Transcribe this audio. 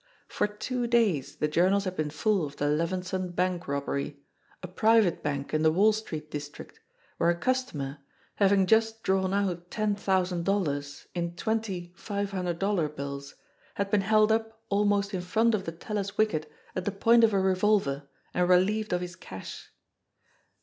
THE MESSAGE 77 For two days the journals had been full of the Levenson Bank robbery, a private bank in the Wall Street district, where a customer, having just drawn out ten thousand dol lars in twenty five hundred dollar bills, had been held up almost in front of the teller's wicket at the point of a re volver and relieved of his cash.